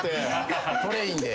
トレインで。